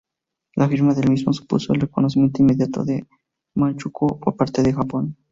La firma del mismo supuso el reconocimiento inmediato de Manchukuo por parte de Japón.